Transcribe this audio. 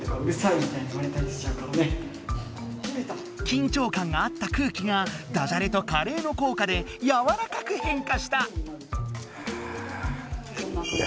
緊張感があった空気がダジャレとカレーのこうかでやわらかくへんかした。